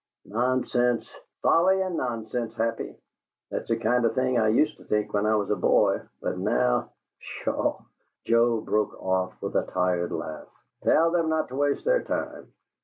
"Nonsense! Folly and nonsense, Happy! That's the kind of thing I used to think when I was a boy. But now pshaw!" Joe broke off with a tired laugh. "Tell them not to waste their time.